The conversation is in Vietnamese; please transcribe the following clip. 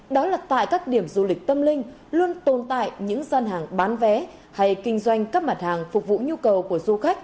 đó là tại các điểm du lịch tâm linh luôn tồn tại những dân hàng bán vé hay kinh doanh các mặt hàng phục vụ nhu cầu